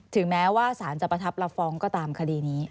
ถึงแม้ว่าสารจะประทับรับฟ้องก็ตามคดีนี้